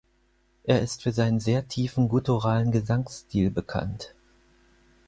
Er ist für seinen sehr tiefen gutturalen Gesangsstil bekannt.